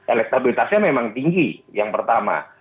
elektabilitasnya memang tinggi yang pertama